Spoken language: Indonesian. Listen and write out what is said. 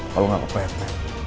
kalo gak ke psm